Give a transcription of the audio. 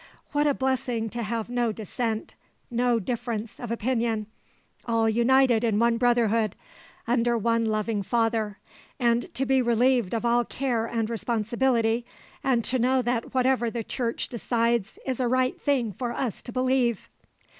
What a blessing to have no dissent, no difference of opinion; all united in one brotherhood, under one loving father, and to be relieved of all care and responsibility, and to know that whatever the Church decides is a right thing for us to believe!"